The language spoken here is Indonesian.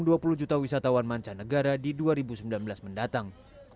dari dua puluh juta wisatawan mancanegara di dua ribu sembilan belas mendatang